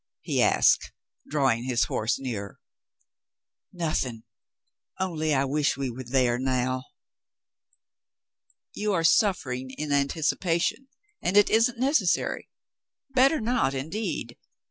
he asked, drawing his horse nearer. Nothing. Only I wish we were there now." "You are suffering in anticipation, and it isn't necessary. Better not, indeed.